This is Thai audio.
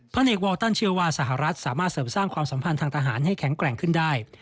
เนกวอลตันเชื่อว่าสหรัฐสามารถเสริมสร้างความสัมพันธ์ทางทหารให้แข็งแกร่งขึ้นได้